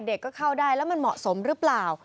ก็เข้าได้แล้วมันเหมาะสมหรือเปล่า